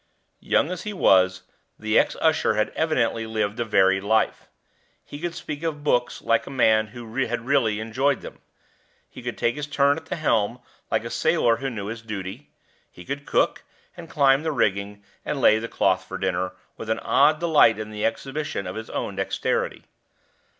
Young as he was, the ex usher had evidently lived a varied life. He could speak of books like a man who had really enjoyed them; he could take his turn at the helm like a sailor who knew his duty; he could cook, and climb the rigging, and lay the cloth for dinner, with an odd delight in the exhibition of his own dexterity.